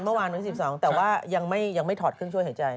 วันที่๑๒แต่ว่ายังไม่ถอดเครื่องช่วยหายใจ